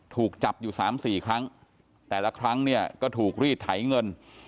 ถูกจับอยู่๓๔ครั้งแต่ละครั้งเนี่ยก็ถูกรีดไถเงิน